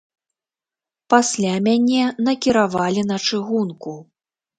Пасля мяне накіравалі на чыгунку.